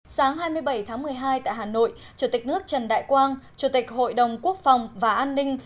sáng hai mươi bảy tháng một mươi hai tại hà nội chủ tịch nước trần đại quang chủ tịch hội đồng quốc phòng và an ninh